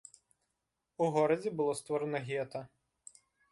У горадзе было створана гета.